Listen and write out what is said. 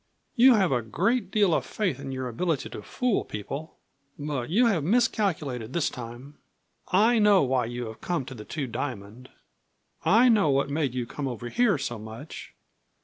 "You have a great deal of faith in your ability to fool people. But you have miscalculated this time. "I know why you have come to the Two Diamond. I know what made you come over here so much.